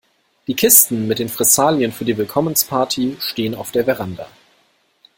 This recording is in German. Die Kisten mit den Fressalien für die Willkommensparty stehen auf der Veranda.